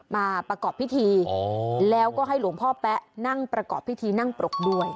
มาประกอบพิธีแล้วก็ให้หลวงพ่อแป๊ะนั่งประกอบพิธีนั่งปรกด้วย